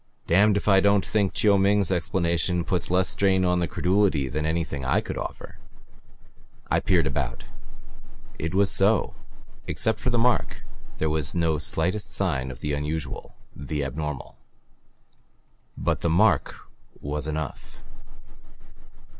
Damned if I don't think Chiu Ming's explanation puts less strain upon the credulity than any I could offer." I peered about. It was so. Except for the mark, there was no slightest sign of the unusual, the abnormal. But the mark was enough!